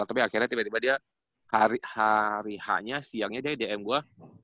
tapi akhirnya tiba tiba dia hari h nya siangnya dia dm gua